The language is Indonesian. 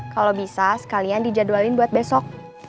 kalau bisa sekalian dijadwalin buat besok